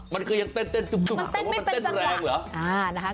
มันก็ยังเต้นตุ้มแต่ว่ามันเต้นแรงเหรอ